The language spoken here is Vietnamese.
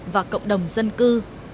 và cộng đồng dân cư